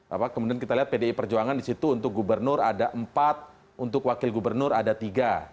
apa kemudian kita lihat pdi perjuangan di situ untuk gubernur ada empat untuk wakil gubernur ada tiga